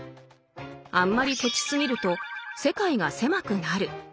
あんまりケチすぎると世界が狭くなる。